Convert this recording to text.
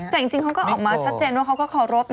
แต่จริงเขาก็ออกมาชัดเจนว่าเขาก็เคารพ